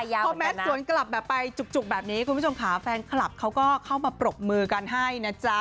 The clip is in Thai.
พอแมทสวนกลับแบบไปจุกแบบนี้คุณผู้ชมค่ะแฟนคลับเขาก็เข้ามาปรบมือกันให้นะจ๊ะ